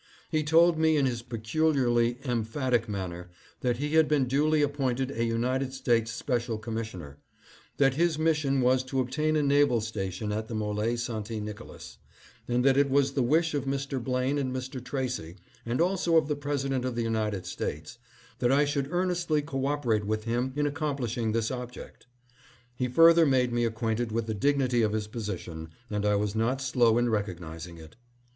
He told me in his peculiarly emphatic manner that he had been duly appointed a United States special commissioner; that his mission was to obtain a naval station at the M61e St. Nicolas ; and that it was the wish of Mr. Blaine and Mr. Tracy, and also of the President of the United States, that I should earnestly co operate with him in accom plishing this object. He further made me acquainted with the dignity of his position, and I was not slow in recognizing it.